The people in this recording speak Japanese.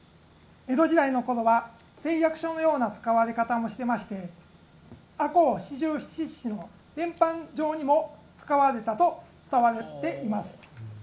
江戸時代のころは誓約書のような使われ方もしていまして赤穂四十七士の連判状にも使われたと伝わっています。